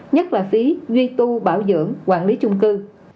nhất là phí duy tu bảo dưỡng quản lý chung cư